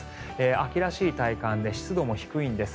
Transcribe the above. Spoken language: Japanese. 秋らしい体感で湿度も低いんです